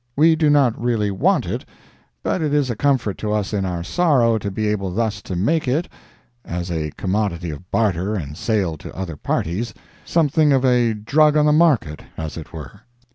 We do not really want it, but it is a comfort to us in our sorrow to be able thus to make it (as a commodity of barter and sale to other parties,) something of a drug on the market, as it were.